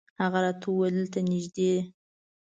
هغه راته وویل دلته نږدې.